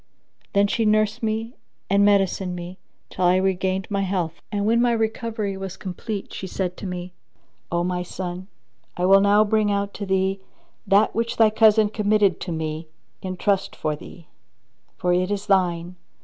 Then she nursed me and medicined me till I regained my health; and, when my recovery was complete, she said to me, "O my son, I will now bring out to thee that which thy cousin committed to me in trust for thee; for it is thine.